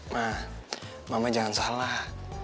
ma mama jangan salah